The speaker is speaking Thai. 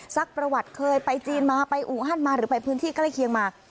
ประวัติเคยไปจีนมาไปอู่ฮั่นมาหรือไปพื้นที่ใกล้เคียงมา